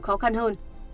khó khăn hơn